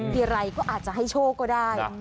ทีไรก็อาจจะให้โชคก็ได้